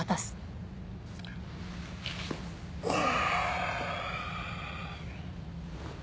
ああ。